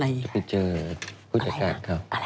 ถึงไปเจอพุธศักดิ์ครับ